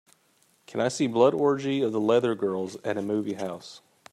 Can I see Blood Orgy of the Leather Girls at a movie house.